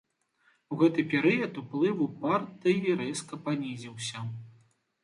У гэты перыяд уплыў партыі рэзка панізіўся.